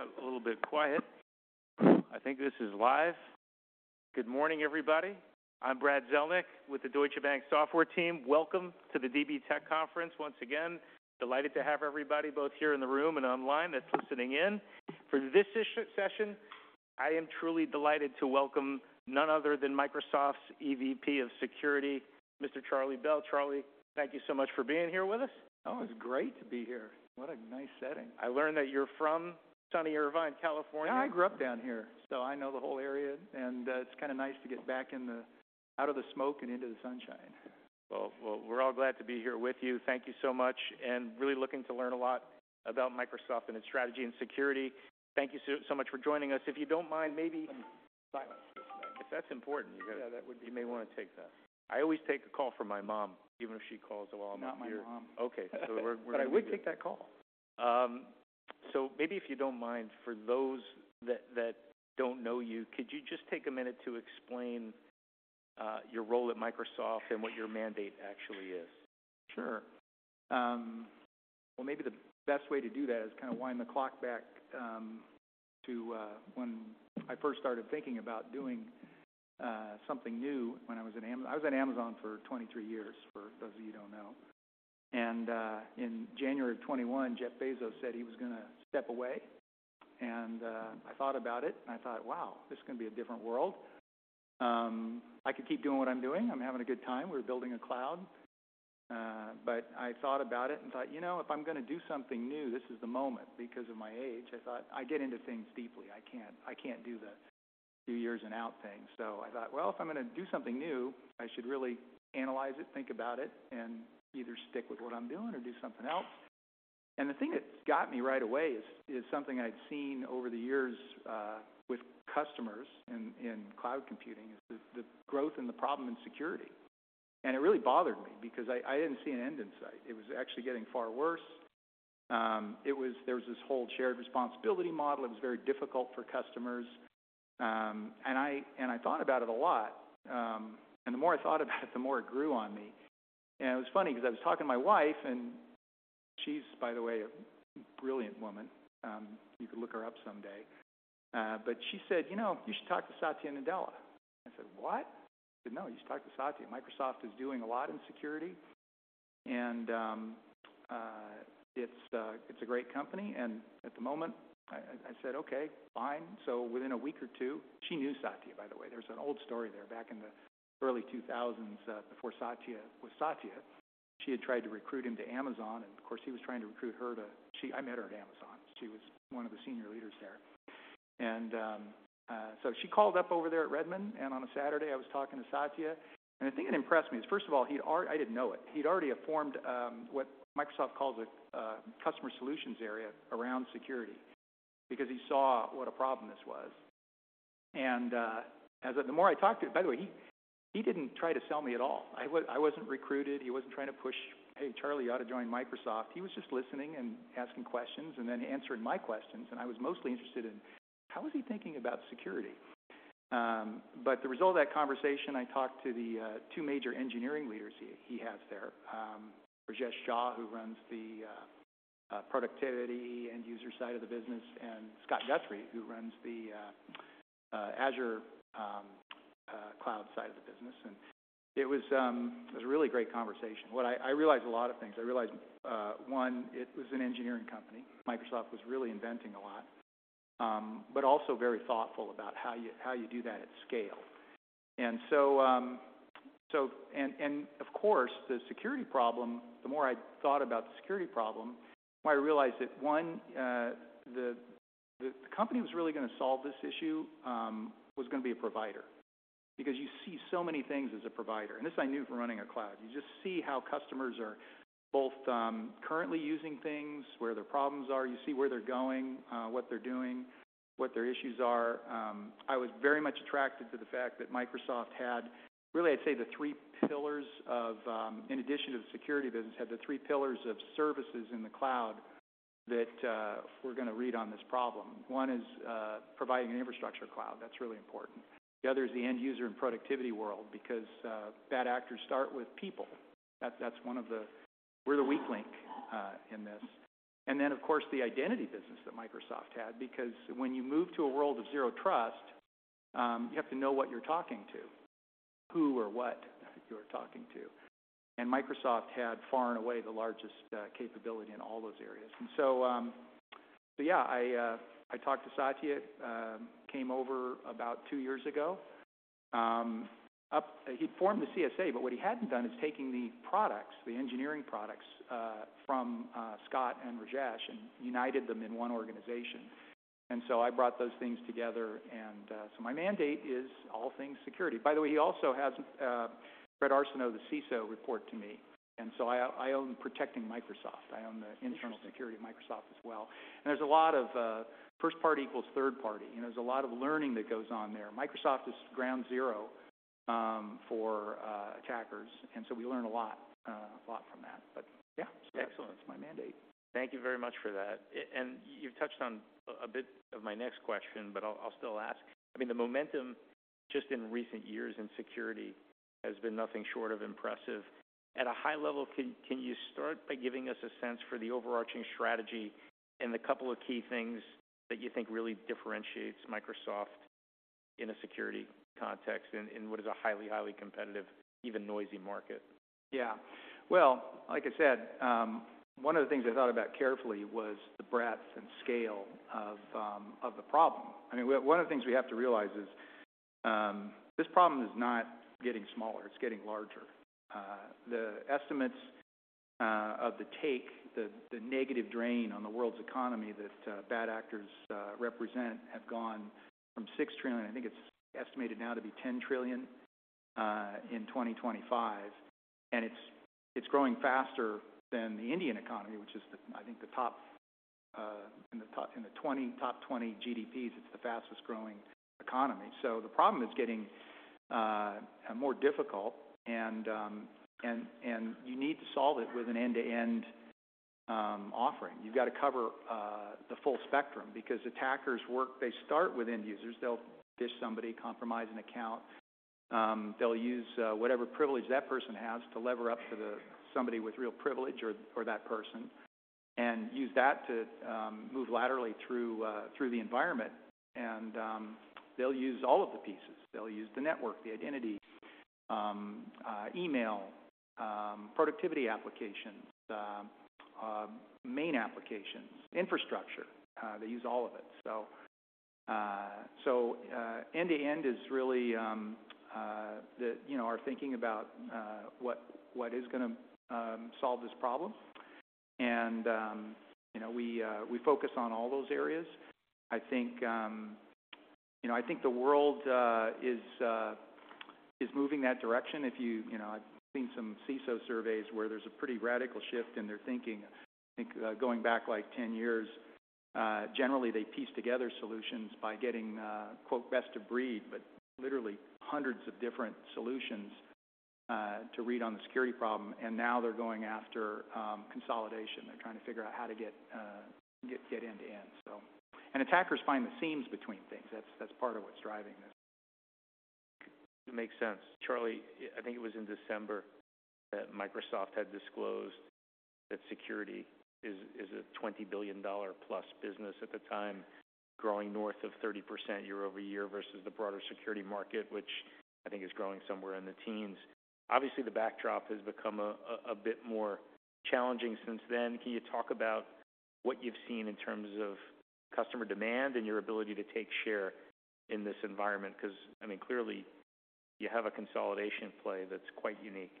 The room got a little bit quiet. I think this is live. Good morning, everybody. I'm Brad Zelnick with the Deutsche Bank Software team. Welcome to the DB Tech Conference. Once again, delighted to have everybody, both here in the room and online that's listening in. For this session, I am truly delighted to welcome none other than Microsoft's EVP of Security, Mr. Charlie Bell. Charlie, thank you so much for being here with us. Oh, it's great to be here. What a nice setting! I learned that you're from sunny Irvine, California. Yeah, I grew up down here, so I know the whole area, and it's kinda nice to get back out of the smoke and into the sunshine. Well, well, we're all glad to be here with you. Thank you so much, and really looking to learn a lot about Microsoft and its strategy and security. Thank you so, so much for joining us. If you don't mind, maybe— Silence. That's important. Yeah, that would be- You may wanna take that. I always take a call from my mom, even if she calls while I'm out here. Not my mom. Okay, so we're- But I would take that call. So maybe if you don't mind, for those that don't know you, could you just take a minute to explain your role at Microsoft and what your mandate actually is? Sure. Well, maybe the best way to do that is to wind the clock back to when I first started thinking about doing something new when I was at Amazon. I was at Amazon for 23 years, for those of you who don't know. In January of 2021, Jeff Bezos said he was gonna step away, and I thought about it, and I thought, "Wow, this is gonna be a different world." I could keep doing what I'm doing. I'm having a good time. We're building a cloud. But I thought about it and thought, "You know, if I'm gonna do something new, this is the moment." Because of my age, I thought, I get into things deeply. I can't, I can't do the few years and out thing. So I thought, "Well, if I'm gonna do something new, I should really analyze it, think about it, and either stick with what I'm doing or do something else." The thing that got me right away is something I'd seen over the years with customers in cloud computing, the growth and the problem in security. It really bothered me because I didn't see an end in sight. It was actually getting far worse. There was this whole shared responsibility model. It was very difficult for customers. I thought about it a lot, and the more I thought about it, the more it grew on me. It was funny because I was talking to my wife, and she's, by the way, a brilliant woman. You could look her up someday. But she said: "You know, you should talk to Satya Nadella." I said, "What?" She said: "No, you should talk to Satya. Microsoft is doing a lot in security, and it's a great company." And at the moment, I said, "Okay, fine." So within a week or two. She knew Satya, by the way. There's an old story there. Back in the early 2000s, before Satya was Satya, she had tried to recruit him to Amazon, and of course, he was trying to recruit her to- I met her at Amazon. She was one of the senior leaders there. And so she called up over there at Redmond, and on a Saturday, I was talking to Satya, and the thing that impressed me is, first of all, he'd I didn't know it. He'd already formed what Microsoft calls a Customer Solutions Area around security because he saw what a problem this was. As the more I talked to him... By the way, he didn't try to sell me at all. I wasn't recruited. He wasn't trying to push: "Hey, Charlie, you ought to join Microsoft." He was just listening and asking questions and then answering my questions, and I was mostly interested in how was he thinking about security? But the result of that conversation, I talked to the two major engineering leaders he has there, Rajesh Jha, who runs the productivity end-user side of the business, and Scott Guthrie, who runs the Azure cloud side of the business. It was a really great conversation. What I... I realized a lot of things. I realized, one, it was an engineering company. Microsoft was really inventing a lot, but also very thoughtful about how you, how you do that at scale. And so, and of course, the security problem, the more I thought about the security problem, the more I realized that, one, the company that was really gonna solve this issue, was gonna be a provider, because you see so many things as a provider, and this I knew from running a cloud. You just see how customers are both, currently using things, where their problems are. You see where they're going, what they're doing, what their issues are. I was very much attracted to the fact that Microsoft had really, I'd say, the three pillars of... In addition to the security business, had the three pillars of services in the cloud that we're gonna read on this problem. One is providing an infrastructure cloud. That's really important. The other is the end user and productivity world, because bad actors start with people. That, that's one of the, we're the weak link in this. And then, of course, the identity business that Microsoft had, because when you move to a world of zero trust, you have to know what you're talking to, who or what you're talking to, and Microsoft had far and away the largest capability in all those areas. And so, so yeah, I talked to Satya, came over about two years ago. He'd formed the CSA, but what he hadn't done is taking the products, the engineering products, from Scott and Rajesh and united them in one organization. And so I brought those things together, so my mandate is all things security. By the way, he also has Bret Arsenault, the CISO, report to me, and so I own protecting Microsoft. I own the- Interesting ...internal security of Microsoft as well. And there's a lot of first party equals third party, and there's a lot of learning that goes on there. Microsoft is ground zero for attackers, and so we learn a lot, a lot from that. But yeah- Excellent. That's my mandate. Thank you very much for that. And you've touched on a bit of my next question, but I'll still ask. I mean, the momentum just in recent years in security has been nothing short of impressive. At a high level, can you start by giving us a sense for the overarching strategy and the couple of key things that you think really differentiates Microsoft in a security context, in what is a highly competitive, even noisy market? Yeah. Well, like I said, one of the things I thought about carefully was the breadth and scale of the problem. I mean, one of the things we have to realize is, this problem is not getting smaller, it's getting larger. The estimates of the take, the negative drain on the world's economy that bad actors represent, have gone from $6 trillion. I think it's estimated now to be $10 trillion in 2025. And it's growing faster than the Indian economy, which is the, I think, the top in the top 20 GDPs, it's the fastest-growing economy. So the problem is getting more difficult, and you need to solve it with an end-to-end offering. You've got to cover the full spectrum because attackers work... They start with end users. They'll phish somebody, compromise an account. They'll use whatever privilege that person has to lever up to somebody with real privilege or that person, and use that to move laterally through the environment. And they'll use all of the pieces. They'll use the network, the identity, email, productivity applications, main applications, infrastructure. They use all of it. So end-to-end is really the, you know, our thinking about what is gonna solve this problem. And you know, we focus on all those areas. I think you know, I think the world is moving that direction. If you-- You know, I've seen some CISO surveys where there's a pretty radical shift in their thinking. I think, going back, like, 10 years, generally they pieced together solutions by getting, quote, "best of breed," but literally hundreds of different solutions, to read on the security problem, and now they're going after, consolidation. They're trying to figure out how to get, get end-to-end, so. And attackers find the seams between things. That's, that's part of what's driving this. Makes sense. Charlie, I think it was in December that Microsoft had disclosed that security is, is a $20 billion-plus business at the time, growing north of 30% year-over-year, versus the broader security market, which I think is growing somewhere in the teens. Obviously, the backdrop has become a, a bit more challenging since then. Can you talk about what you've seen in terms of customer demand and your ability to take share in this environment? 'Cause, I mean, clearly you have a consolidation play that's quite unique.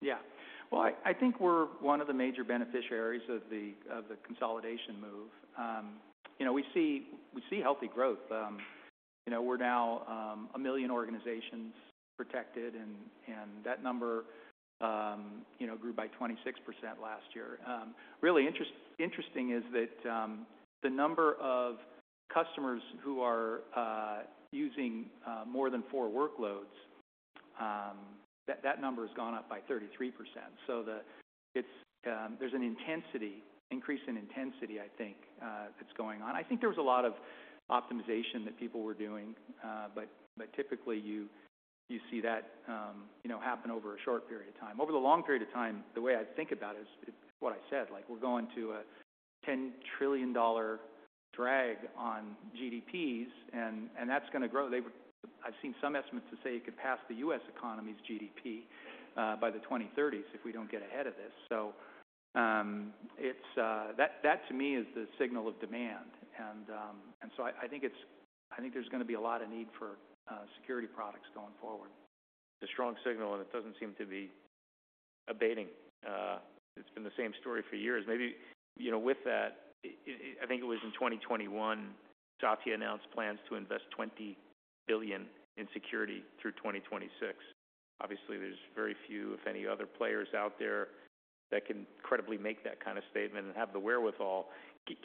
Yeah. Well, I think we're one of the major beneficiaries of the consolidation move. You know, we see healthy growth. You know, we're now 1 million organizations protected, and that number grew by 26% last year. Really interesting is that the number of customers who are using more than four workloads, that number has gone up by 33%. So it's an increase in intensity, I think, that's going on. I think there was a lot of optimization that people were doing, but typically you see that happen over a short period of time. Over the long period of time, the way I think about it is, it's what I said, like, we're going to a $10 trillion drag on GDPs, and that's gonna grow. I've seen some estimates that say it could pass the U.S. economy's GDP by the 2030s, if we don't get ahead of this. So, it's-- That to me is the signal of demand. And so I think there's gonna be a lot of need for security products going forward. It's a strong signal, and it doesn't seem to be abating. It's been the same story for years. Maybe, you know, with that, I think it was in 2021, Satya announced plans to invest $20 billion in security through 2026. Obviously, there's very few, if any, other players out there that can credibly make that kind of statement and have the wherewithal.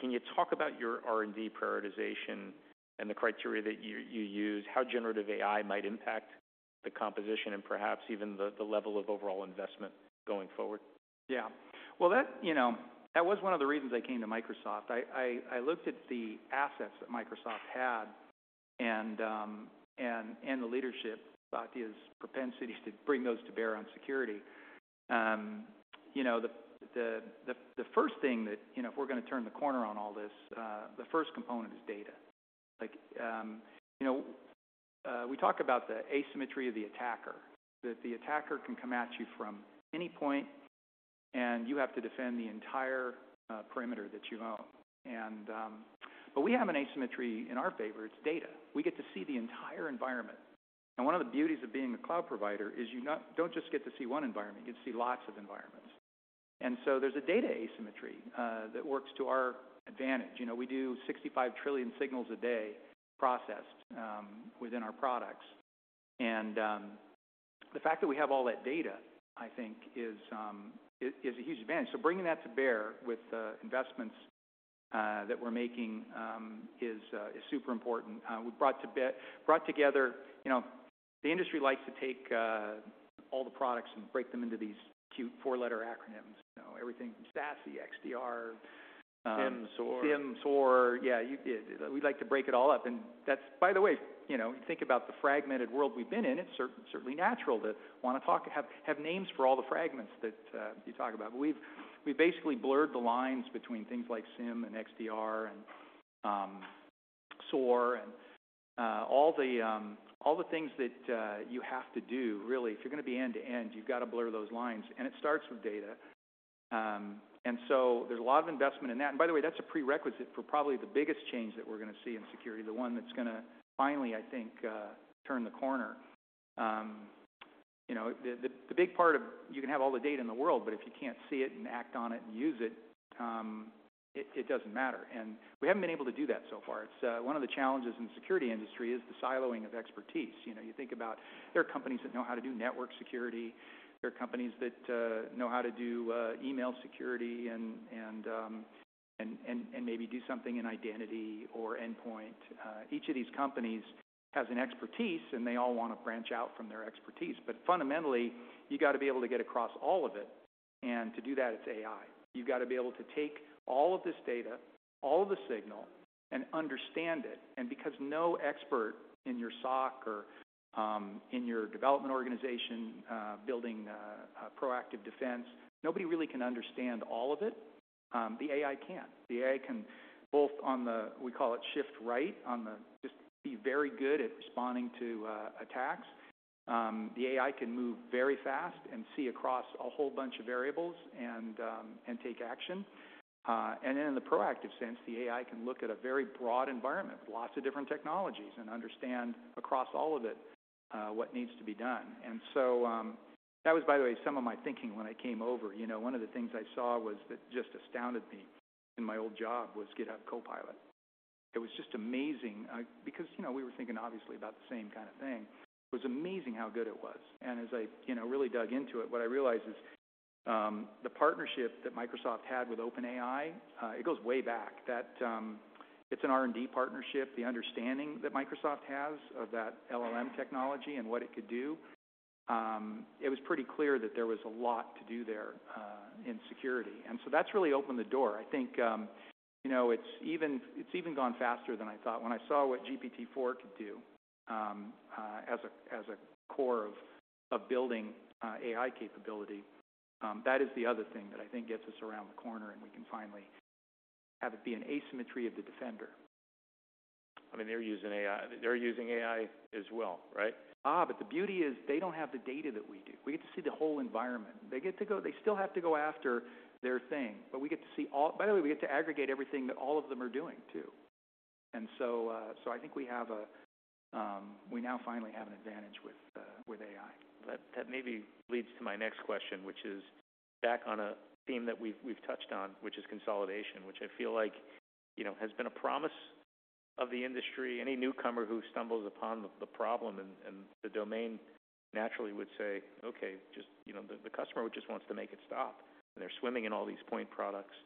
Can you talk about your R&D prioritization and the criteria that you use, how generative AI might impact the composition and perhaps even the level of overall investment going forward? Yeah. Well, that, you know, that was one of the reasons I came to Microsoft. I looked at the assets that Microsoft had and the leadership, Satya's propensity to bring those to bear on security. You know, the first thing that you know if we're going to turn the corner on all this, the first component is data. Like you know we talk about the asymmetry of the attacker, that the attacker can come at you from any point, and you have to defend the entire perimeter that you own. But we have an asymmetry in our favor. It's data. We get to see the entire environment, and one of the beauties of being a cloud provider is you don't just get to see one environment, you get to see lots of environments. There's a data asymmetry that works to our advantage. You know, we do 65 trillion signals a day processed within our products, and the fact that we have all that data, I think is a huge advantage. Bringing that to bear with the investments that we're making is super important. We brought together, you know. The industry likes to take all the products and break them into these cute four-letter acronyms. You know, everything from SASE, XDR. SIEM, SOAR. SIEM, SOAR. Yeah, we like to break it all up, and that's-- By the way, you know, you think about the fragmented world we've been in, it's certainly natural to wanna talk, have names for all the fragments that you talk about. But we've basically blurred the lines between things like SIEM and XDR and SOAR, and all the things that you have to do, really. If you're gonna be end-to-end, you've gotta blur those lines, and it starts with data. And so there's a lot of investment in that. And by the way, that's a prerequisite for probably the biggest change that we're gonna see in security, the one that's gonna finally, I think, turn the corner. You know, the big part of- You can have all the data in the world, but if you can't see it and act on it and use it, it, it doesn't matter, and we haven't been able to do that so far. It's one of the challenges in the security industry is the siloing of expertise. You know, you think about, there are companies that know how to do network security, there are companies that know how to do email security and maybe do something in identity or endpoint. Each of these companies has an expertise, and they all wanna branch out from their expertise. But fundamentally, you gotta be able to get across all of it, and to do that, it's AI. You've gotta be able to take all of this data, all of the signal, and understand it. And because no expert in your SOC or in your development organization building a proactive defense, nobody really can understand all of it. The AI can. The AI can both on the, we call it shift right, on the- just be very good at responding to attacks. The AI can move very fast and see across a whole bunch of variables and take action. And then in the proactive sense, the AI can look at a very broad environment with lots of different technologies and understand across all of it, what needs to be done. And so, that was, by the way, some of my thinking when I came over. You know, one of the things I saw was, that just astounded me in my old job, was GitHub Copilot. It was just amazing, because, you know, we were thinking obviously about the same kind of thing. It was amazing how good it was. And as I, you know, really dug into it, what I realized is, the partnership that Microsoft had with OpenAI, it goes way back. That-- It's an R&D partnership, the understanding that Microsoft has of that LLM technology and what it could do, it was pretty clear that there was a lot to do there, in security, and so that's really opened the door. I think, you know, it's even, it's even gone faster than I thought. When I saw what GPT-4 could do, as a core of building AI capability, that is the other thing that I think gets us around the corner, and we can finally have it be an asymmetry of the defender. I mean, they're using AI. They're using AI as well, right? Ah, but the beauty is, they don't have the data that we do. We get to see the whole environment. They still have to go after their thing, but we get to see all-- By the way, we get to aggregate everything that all of them are doing, too. And so, so I think we have a, we now finally have an advantage with, with AI. That maybe leads to my next question, which is back on a theme that we've touched on, which is consolidation, which I feel like, you know, has been a promise of the industry. Any newcomer who stumbles upon the problem and the domain naturally would say, "Okay, just..." You know, the customer just wants to make it stop, and they're swimming in all these point products.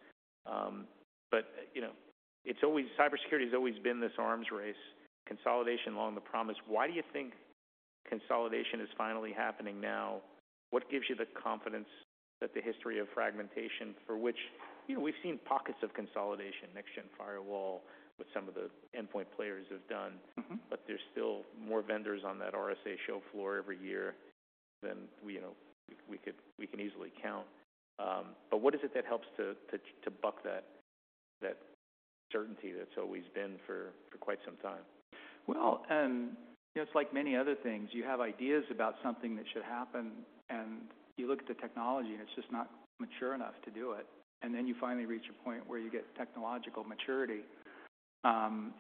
But, you know, it's always cybersecurity has always been this arms race, consolidation long the promise. Why do you think consolidation is finally happening now? What gives you the confidence that the history of fragmentation, for which, you know, we've seen pockets of consolidation, next-gen firewall, what some of the endpoint players have done but there's still more vendors on that RSA show floor every year than, you know, we can easily count. But what is it that helps to buck that certainty that's always been for quite some time? Well, you know, it's like many other things. You have ideas about something that should happen, and you look at the technology, and it's just not mature enough to do it. And then you finally reach a point where you get technological maturity.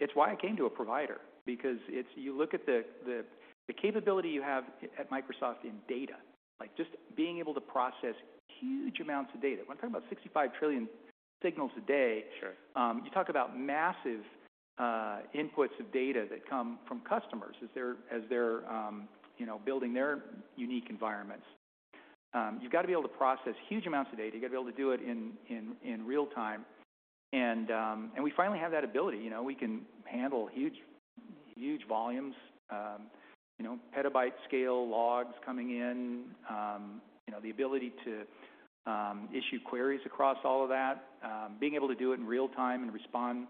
It's why I came to a provider, because it's-- You look at the capability you have at Microsoft in data, like, just being able to process huge amounts of data. When I'm talking about 65 trillion signals a day- Sure... you talk about massive inputs of data that come from customers as they're building their unique environments. You know, you've gotta be able to process huge amounts of data. You've gotta be able to do it in real time. And we finally have that ability. You know, we can handle huge, huge volumes, you know, petabyte-scale logs coming in. You know, the ability to issue queries across all of that, being able to do it in real time and respond,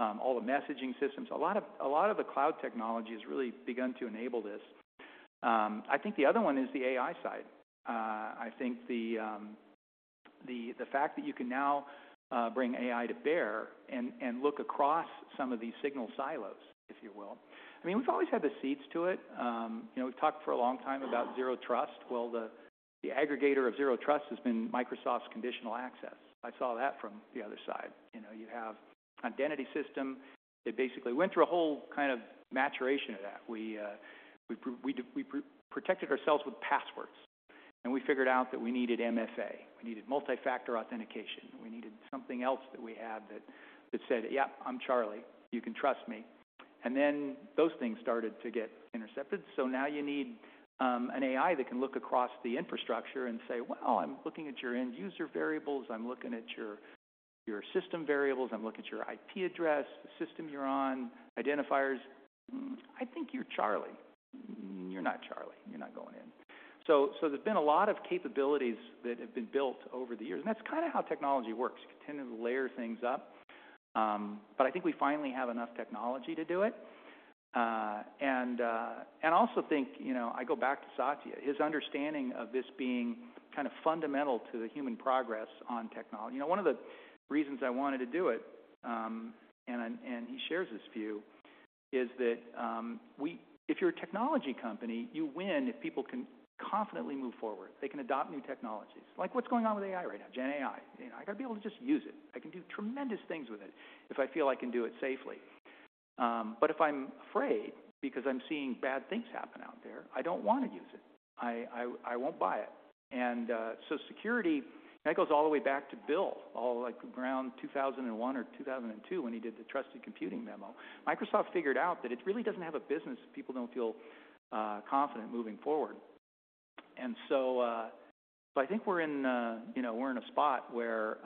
all the messaging systems. A lot of, a lot of the cloud technology has really begun to enable this. I think the other one is the AI side. I think the fact that you can now bring AI to bear and look across some of these signal silos, if you will. I mean, we've always had the seeds to it. You know, we've talked for a long time about zero trust. Well, the aggregator of zero trust has been Microsoft's Conditional Access. I saw that from the other side. You know, you have identity system that basically went through a whole kind of maturation of that. We protected ourselves with passwords, and we figured out that we needed MFA. We needed multi-factor authentication. We needed something else that we had that said, "Yeah, I'm Charlie. You can trust me." And then those things started to get intercepted, so now you need-... An AI that can look across the infrastructure and say: "Well, I'm looking at your end user variables, I'm looking at your system variables, I'm looking at your IP address, the system you're on, identifiers. Hmm, I think you're Charlie. You're not Charlie. You're not going in." So, there's been a lot of capabilities that have been built over the years, and that's kind of how technology works. You continue to layer things up, but I think we finally have enough technology to do it. And, I also think, you know, I go back to Satya, his understanding of this being kind of fundamental to the human progress on technology. You know, one of the reasons I wanted to do it, and he shares this view, is that, if you're a technology company, you win if people can confidently move forward. They can adopt new technologies. Like what's going on with AI right now, GenAI. You know, I got to be able to just use it. I can do tremendous things with it if I feel I can do it safely. But if I'm afraid because I'm seeing bad things happen out there, I don't want to use it. I won't buy it. And, so security, that goes all the way back to Bill, all, like, around 2001 or 2002, when he did the trusted computing memo. Microsoft figured out that it really doesn't have a business if people don't feel confident moving forward. So I think we're in, you know, we're in a spot where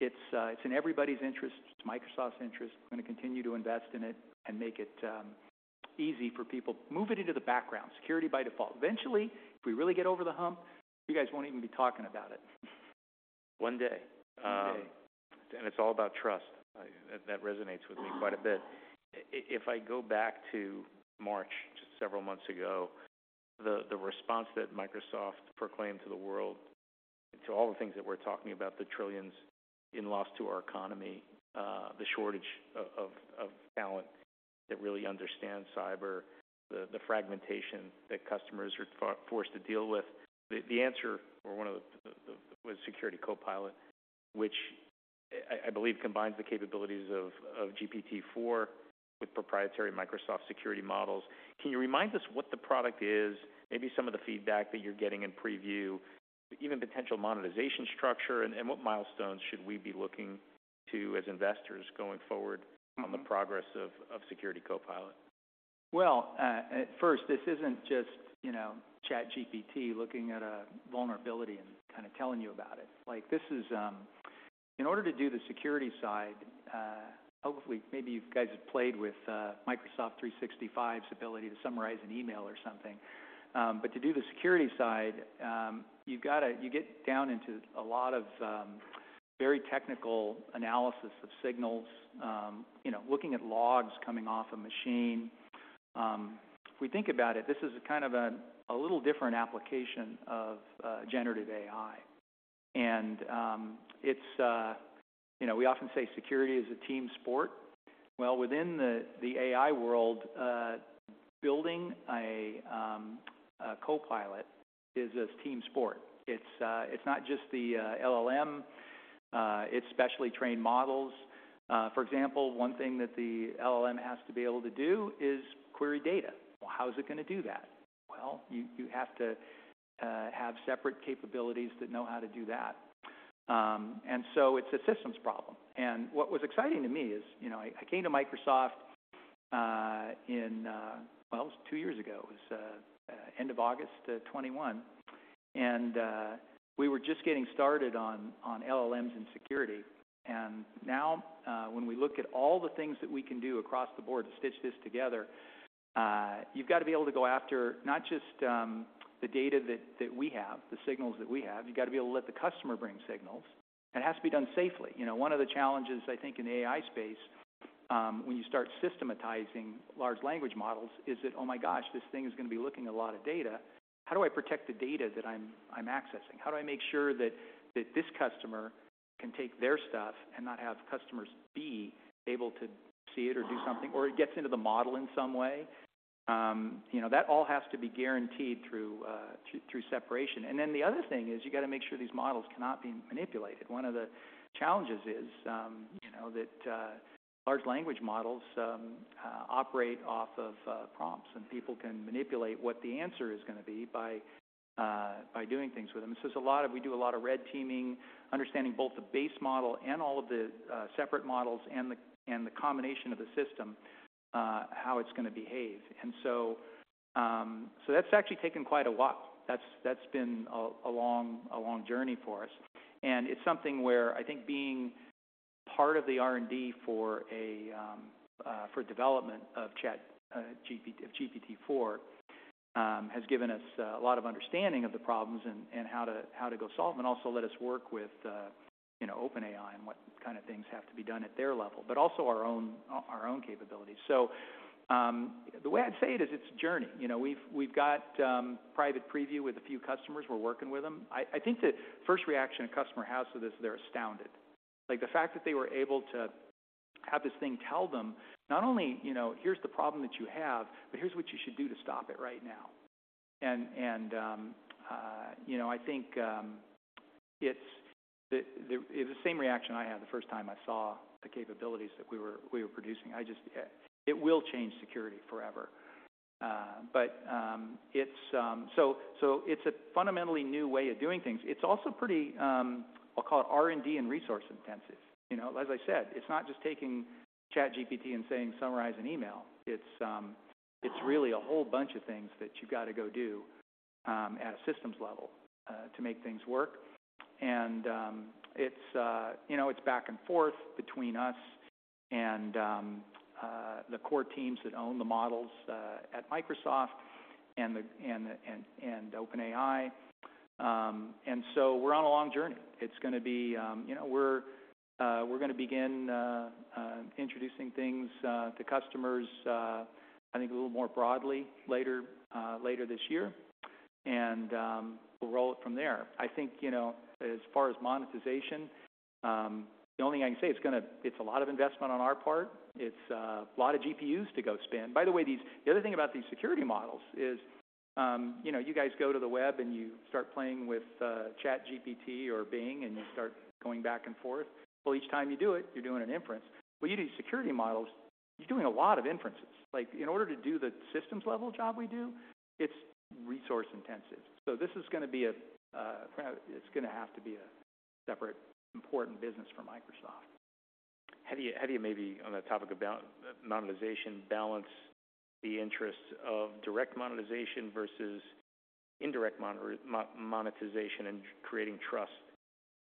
it's in everybody's interest, it's Microsoft's interest. We're going to continue to invest in it and make it easy for people. Move it into the background, security by default. Eventually, if we really get over the hump, you guys won't even be talking about it. One day. One day. And it's all about trust. That resonates with me quite a bit. If I go back to March, just several months ago, the response that Microsoft proclaimed to the world, to all the things that we're talking about, the $trillions in loss to our economy, the shortage of talent that really understands cyber, the fragmentation that customers are forced to deal with. The answer, or one of the, was Security Copilot, which I believe combines the capabilities of GPT-4 with proprietary Microsoft security models. Can you remind us what the product is, maybe some of the feedback that you're getting in preview, even potential monetization structure, and what milestones should we be looking to as investors going forward on the progress of Security Copilot? Well, at first, this isn't just, you know, ChatGPT looking at a vulnerability and kind of telling you about it. Like, this is-- In order to do the security side, hopefully, maybe you guys have played with Microsoft 365's ability to summarize an email or something. But to do the security side, you've got to- you get down into a lot of very technical analysis of signals, you know, looking at logs coming off a machine. If we think about it, this is kind of a little different application of generative AI. And it's-- You know, we often say security is a team sport. Well, within the AI world, building a Copilot is a team sport. It's not just the LLM, it's specially trained models. For example, one thing that the LLM has to be able to do is query data. Well, how is it gonna do that? Well, you, you have to have separate capabilities that know how to do that. And so it's a systems problem. And what was exciting to me is, you know, I, I came to Microsoft, well, it was two years ago. It was end of August 2021, and we were just getting started on LLMs and security. And now, when we look at all the things that we can do across the board to stitch this together, you've got to be able to go after not just the data that we have, the signals that we have, you've got to be able to let the customer bring signals, and it has to be done safely. You know, one of the challenges, I think, in the AI space, when you start systematizing large language models, is that, oh my gosh, this thing is going to be looking at a lot of data. How do I protect the data that I'm accessing? How do I make sure that this customer can take their stuff and not have customers be able to see it or do something, or it gets into the model in some way? You know, that all has to be guaranteed through separation. And then the other thing is, you got to make sure these models cannot be manipulated. One of the challenges is, you know, that large language models operate off of prompts, and people can manipulate what the answer is gonna be by doing things with them. So we do a lot of red teaming, understanding both the base model and all of the separate models and the combination of the system, how it's gonna behave. And so that's actually taken quite a while. That's been a long journey for us. It's something where I think being part of the R&D for development of ChatGPT, GPT-4 has given us a lot of understanding of the problems and how to go solve them, and also let us work with, you know, OpenAI and what kind of things have to be done at their level, but also our own capabilities. So, the way I'd say it is, it's a journey. You know, we've got private preview with a few customers. We're working with them. I think the first reaction a customer has to this, they're astounded. Like, the fact that they were able to have this thing tell them not only, you know, "Here's the problem that you have, but here's what you should do to stop it right now." You know, I think it's the same reaction I had the first time I saw the capabilities that we were producing. I just-- It will change security forever. But it's-- So it's a fundamentally new way of doing things. It's also pretty, I'll call it R&D and resource intensive. You know, as I said, it's not just taking ChatGPT and saying, "Summarize an email." It's really a whole bunch of things that you've got to go do at a systems level to make things work. You know, it's back and forth between us and the core teams that own the models at Microsoft and OpenAI. So we're on a long journey. It's gonna be-- You know, we're gonna begin introducing things to customers, I think a little more broadly later this year, and we'll roll it from there. I think, you know, as far as monetization, the only thing I can say, it's gonna be a lot of investment on our part. It's a lot of GPUs to go spend. By the way, the other thing about these security models is, you know, you guys go to the web, and you start playing with ChatGPT or Bing, and you start going back and forth. Well, each time you do it, you're doing an inference. When you do security models, you're doing a lot of inferences. Like, in order to do the systems-level job we do, it's resource-intensive. So this is gonna be a, it's gonna have to be a separate important business for Microsoft. How do you maybe, on the topic of monetization, balance the interests of direct monetization versus indirect monetization and creating trust,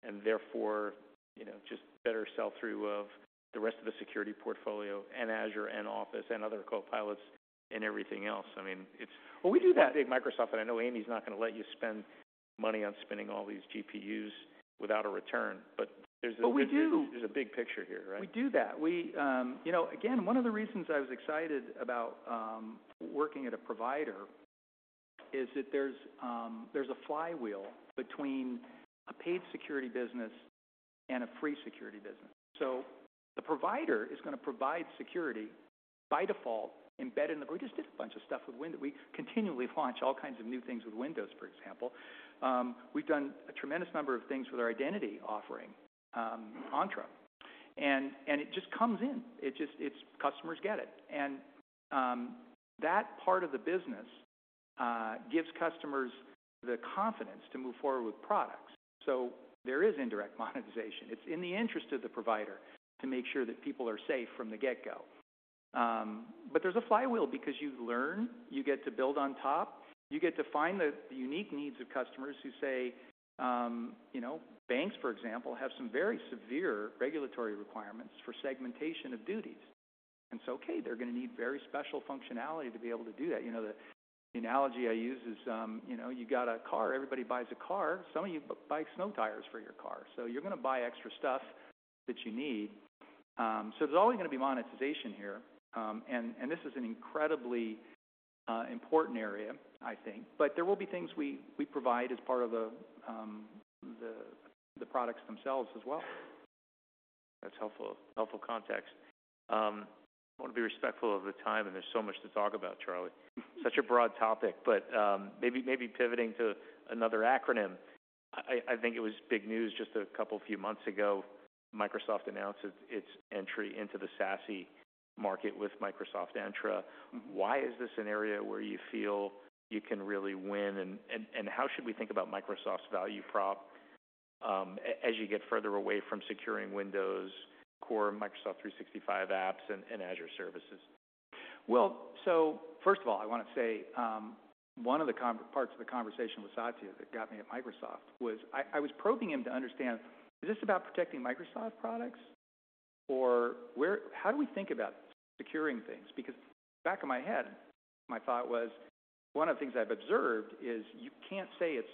and therefore, you know, just better sell-through of the rest of the security portfolio and Azure and Office and other Copilots and everything else? I mean, it's- Well, we do that. Big Microsoft, and I know Amy's not gonna let you spend money on spending all these GPUs without a return, but there's a- But we do. There's a big picture here, right? We do that. We. You know, again, one of the reasons I was excited about working at a provider is that there's a flywheel between a paid security business and a free security business. So the provider is gonna provide security by default, embedded in the Windows. We just did a bunch of stuff with Windows. We continually launch all kinds of new things with Windows, for example. We've done a tremendous number of things with our identity offering, Entra, and it just comes in. It just. It's. Customers get it. And that part of the business gives customers the confidence to move forward with products. So there is indirect monetization. It's in the interest of the provider to make sure that people are safe from the get-go. But there's a flywheel, because you learn, you get to build on top. You get to find the unique needs of customers who say, you know, banks, for example, have some very severe regulatory requirements for segmentation of duties. And so, okay, they're gonna need very special functionality to be able to do that. You know, the analogy I use is, you know, you got a car, everybody buys a car, some of you buy snow tires for your car, so you're gonna buy extra stuff that you need. So there's always gonna be monetization here. And this is an incredibly important area, I think. But there will be things we provide as part of the products themselves as well. That's helpful, helpful context. I wanna be respectful of the time, and there's so much to talk about, Charlie. Such a broad topic, but maybe pivoting to another acronym. I think it was big news just a couple few months ago. Microsoft announced its entry into the SASE market with Microsoft Entra. Why is this an area where you feel you can really win, and how should we think about Microsoft's value prop as you get further away from securing Windows core, Microsoft 365 apps and Azure services? Well, so first of all, I wanna say, one of the key parts of the conversation with Satya that got me at Microsoft was I was probing him to understand, is this about protecting Microsoft products or how do we think about securing things? Because back of my head, my thought was, one of the things I've observed is you can't say it's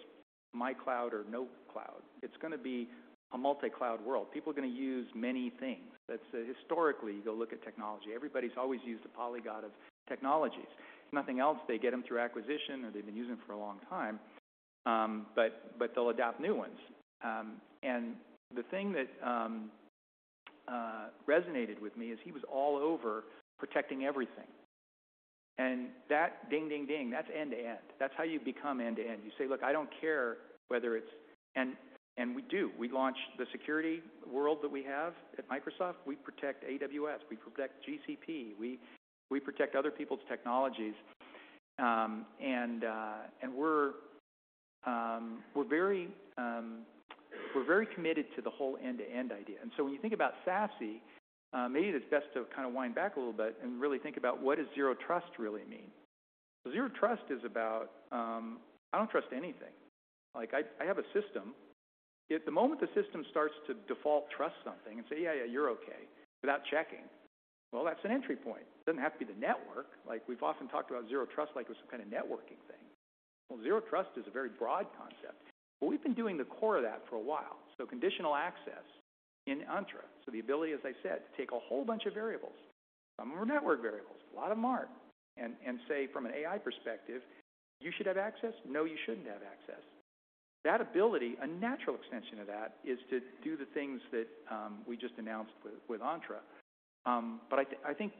my cloud or no cloud. It's gonna be a multi-cloud world. People are gonna use many things. That's, historically, you go look at technology, everybody's always used a polyglot of technologies. If nothing else, they get them through acquisition, or they've been using them for a long time, but, but they'll adopt new ones. And the thing that resonated with me is he was all over protecting everything, and that ding, ding, ding, that's end-to-end. That's how you become end-to-end. You say, "Look, I don't care whether it's..." And we do. We launch the security world that we have at Microsoft. We protect AWS, we protect GCP, we protect other people's technologies. And we're very committed to the whole end-to-end idea. And so when you think about SASE, maybe it's best to kind of wind back a little bit and really think about what does zero trust really mean? Zero trust is about, I don't trust anything. Like I have a system. If the moment the system starts to default, trust something and say, "Yeah, yeah, you're okay," without checking, well, that's an entry point. It doesn't have to be the network. Like, we've often talked about zero trust, like it was some kind of networking thing. Well, zero trust is a very broad concept, but we've been doing the core of that for a while. So Conditional Access in Entra. So the ability, as I said, to take a whole bunch of variables, some are network variables, a lot of them aren't, and say, from an AI perspective, "You should have access. No, you shouldn't have access." That ability, a natural extension of that, is to do the things that we just announced with Entra. But I think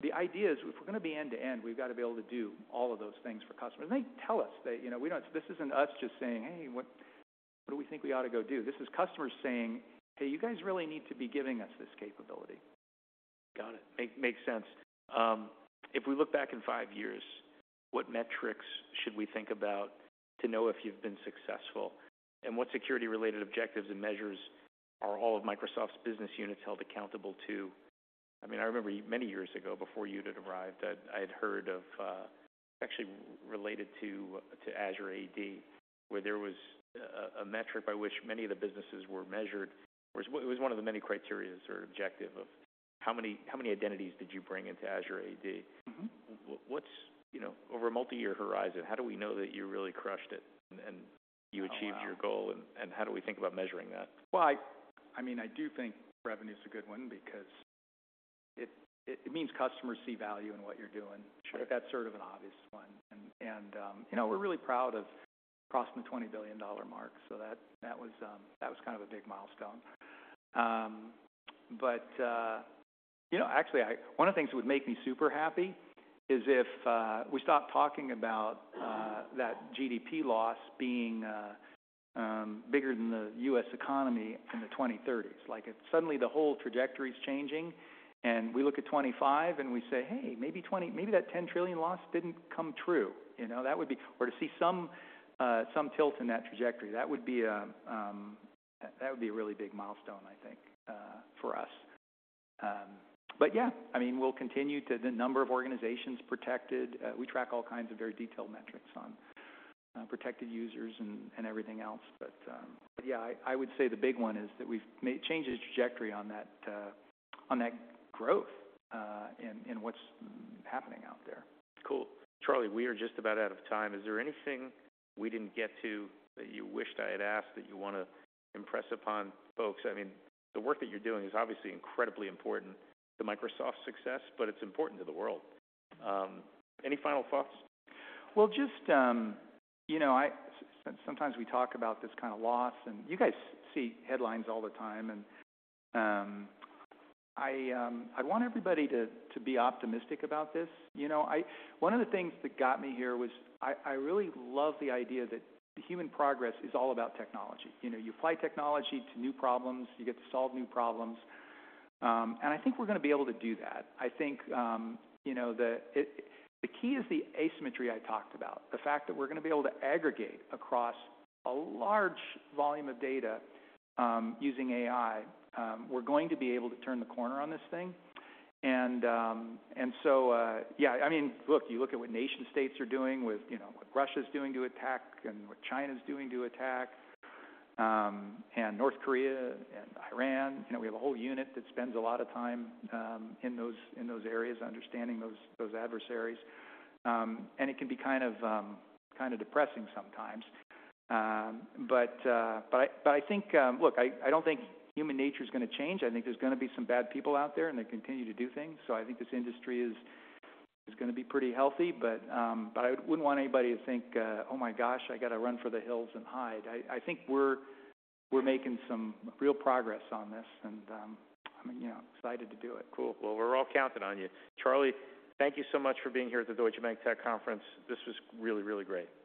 the idea is if we're gonna be end-to-end, we've got to be able to do all of those things for customers. And they tell us that, you know, we don't-- This isn't us just saying, "Hey, what do we think we ought to go do?" This is customers saying, "Hey, you guys really need to be giving us this capability. Got it. Makes sense. If we look back in five years, what metrics should we think about to know if you've been successful? And what security-related objectives and measures are all of Microsoft's business units held accountable to? I mean, I remember many years ago, before you had arrived, that I had heard of, actually related to, to Azure AD, where there was a metric by which many of the businesses were measured. It was one of the many criteria or objective of how many, how many identities did you bring into Azure AD? What's, you know, over a multi-year horizon, how do we know that you really crushed it and? Oh, wow. You achieved your goal, and how do we think about measuring that? Well, I mean, I do think revenue is a good one because it means customers see value in what you're doing. Sure. That's sort of an obvious one. And, you know, we're really proud of crossing the $20 billion mark, so that, that was kind of a big milestone. But, you know, actually I-- One of the things that would make me super happy is if we stopped talking about that GDP loss being bigger than the U.S. economy in the 2030s. Like, if suddenly the whole trajectory is changing, and we look at 2025 and we say, "Hey, maybe that $10 trillion loss didn't come true," you know, that would be-- Or to see some tilt in that trajectory, that would be a really big milestone, I think, for us. But yeah, I mean, we'll continue to the number of organizations protected. We track all kinds of very detailed metrics on protected users and everything else. But, yeah, I would say the big one is that we've made changes trajectory on that on that growth in what's happening out there. Cool. Charlie, we are just about out of time. Is there anything we didn't get to that you wished I had asked, that you wanna impress upon folks? I mean, the work that you're doing is obviously incredibly important to Microsoft's success, but it's important to the world. Any final thoughts? Well, just, you know, sometimes we talk about this kind of loss, and you guys see headlines all the time, and, I, I'd want everybody to, to be optimistic about this. You know, one of the things that got me here was I, I really love the idea that human progress is all about technology. You know, you apply technology to new problems, you get to solve new problems. And I think we're gonna be able to do that. I think, you know, the key is the asymmetry I talked about. The fact that we're gonna be able to aggregate across a large volume of data, using AI. We're going to be able to turn the corner on this thing. And so, yeah, I mean, look, you look at what nation states are doing with, you know, what Russia's doing to attack and what China's doing to attack, and North Korea and Iran. You know, we have a whole unit that spends a lot of time, in those, in those areas, understanding those, those adversaries. And it can be kind of, kind of depressing sometimes. But, but I, but I think-- Look, I, I don't think human nature is gonna change. I think there's gonna be some bad people out there, and they continue to do things. So I think this industry is gonna be pretty healthy, but I wouldn't want anybody to think, "Oh, my gosh, I gotta run for the hills and hide." I think we're making some real progress on this, and I'm, you know, excited to do it. Cool. Well, we're all counting on you. Charlie, thank you so much for being here at the Deutsche Bank Tech Conference. This was really, really great.